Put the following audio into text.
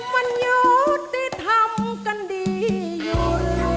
มันอยู่ที่ทำกันดีอยู่